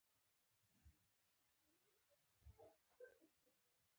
په عبارت کښي فعل شرط نه دئ.